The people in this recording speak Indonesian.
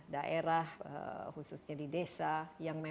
daerah khususnya di desa yang memang